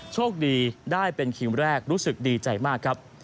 โชคดีได้เป็นคิวแรกรู้สึกดีใจมากครับ